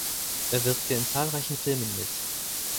Er wirkte in zahlreichen Filmen mit.